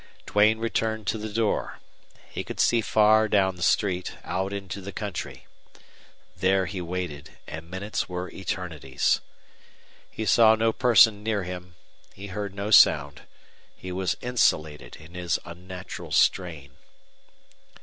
Duane returned to the door. He could see far down the street, out into the country. There he waited, and minutes were eternities. He saw no person near him; he heard no sound. He was insulated in his unnatural strain.